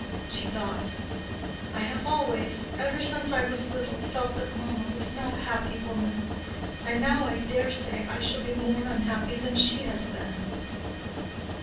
She thought, "I have always, ever since I was little, felt that mamma was not a happy woman; and now I dare say I shall be more unhappy than she has been."